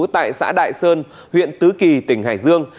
tại xã đại sơn huyện tứ kỳ tỉnh hải dương